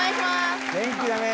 元気だね。